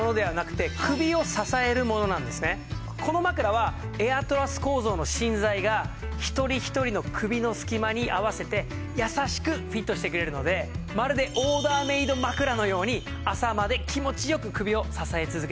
この枕はエアトラス構造の芯材が一人一人の首の隙間に合わせて優しくフィットしてくれるのでまるでオーダーメイド枕のように朝まで気持ち良く首を支え続けてくれます。